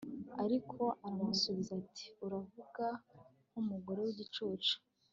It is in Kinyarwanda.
ariko aramusubiza ati uravuga nk'umugore w'igicucu